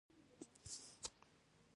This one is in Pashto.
مقدماتي سروې کې د مرکزي خط تثبیت شامل دی